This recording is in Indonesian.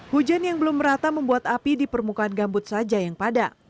hujan yang belum merata membuat api di permukaan gambut saja yang padam